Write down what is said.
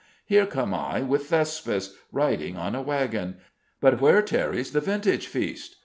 Here come I with Thespis, riding on a wagon: but where tarries the vintage feast?